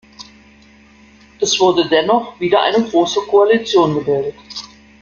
Es wurde dennoch wieder eine Große Koalition gebildet.